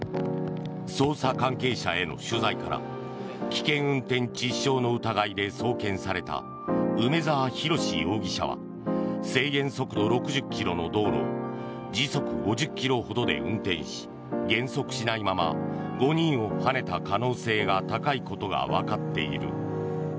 捜査関係者への取材から危険運転致死傷の疑いで送検された梅沢洋容疑者は制限速度６０ｋｍの道路を時速５０ｋｍほどで運転し減速しないまま５人をはねた可能性が高いことがわかっている。